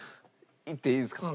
言っていいですか？